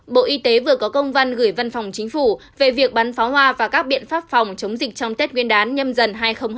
bộ y tế vừa có công văn gửi văn phòng chính phủ về việc bắn pháo hoa và các biện pháp phòng chống dịch trong tết nguyên đán nhâm dần hai nghìn hai mươi